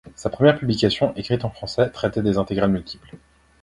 Sa première publication, écrite en français, traitait des intégrales multiples.